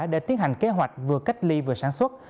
để tiến hành kế hoạch vừa cách ly vừa sản xuất